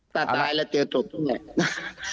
ถ้าตายแล้วเจอตกทุกอย่างไร